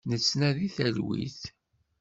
Nettnadi talwit.